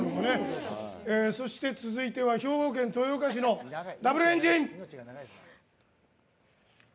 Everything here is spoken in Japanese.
そして、続いては兵庫県豊岡市のＷエンジン。